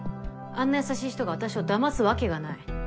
あんな優しい人が私を騙すわけがない。